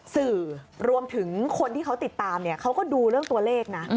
สื่อรวมถึงคนที่เขาติดตามเนี่ยเขาก็ดูเรื่องตัวเลขนะ